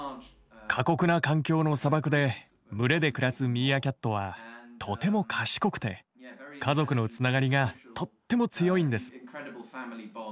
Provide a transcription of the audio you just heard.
過酷な環境の砂漠で群れで暮らすミーアキャットはとても賢くて家族のつながりがとっても強いんです。